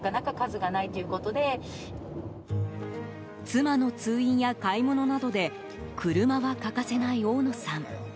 妻の通院や買い物などで車は欠かせない大野さん。